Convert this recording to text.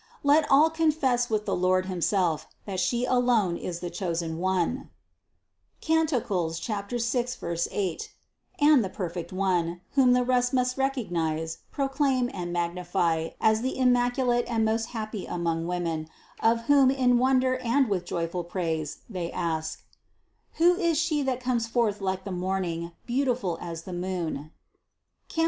Let all confess with the Lord Himself, that She alone is the chosen One (Cant. 6, 8) and the perfect One, whom the rest must recog nize, proclaim and magnify as the immaculate and most happy among women, of whom in wonder and with joy ful praise they ask: Who is She that comes forth like the morning, beautiful as the moon (Cant.